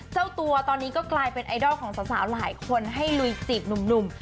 เจ้าตัวตอนนี้ก็กลายเป็นไอดอลของสาวหลายคนให้ลุยจีบหนุ่ม